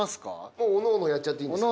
もうおのおのやっちゃっていいんですか？